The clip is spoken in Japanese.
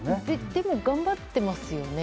でも、頑張ってますよね？